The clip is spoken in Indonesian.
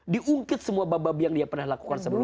diungkit semua bab bab yang dia pernah lakukan sebelumnya